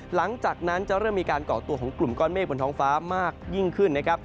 หลังจากนั้นจะเริ่มมีการก่อตัวของกลุ่มก้อนเมฆบนท้องฟ้ามากยิ่งขึ้นนะครับ